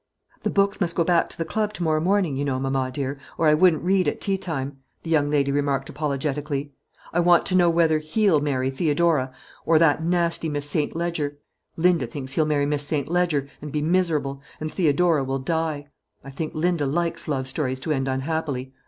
"The books must go back to the club to morrow morning, you know, mamma dear, or I wouldn't read at tea time," the young lady remarked apologetically. "I want to know whether he'll marry Theodora or that nasty Miss St. Ledger. Linda thinks he'll marry Miss St. Ledger, and be miserable, and Theodora will die. I believe Linda likes love stories to end unhappily.